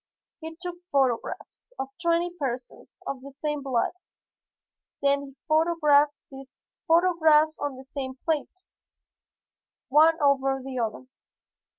He took photographs of twenty persons of the same blood, then he photographed these photographs on the same plate, one over the other.